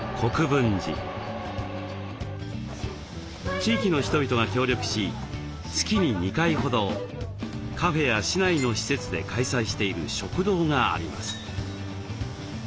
地域の人々が協力し月に２回ほどカフェや市内の施設で開催している食堂があります。